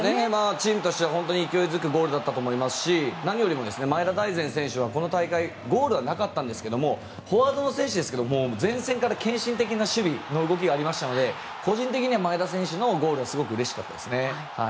チームとしては本当に勢い付くゴールだったと思いますし何よりも前田大然選手はこの大会、ゴールはなかったんですがフォワードの選手ですが前線から献身的な守備の動きがありましたし個人的には前田選手のゴールはうれしかったですね。